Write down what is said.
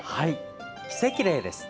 キセキレイです。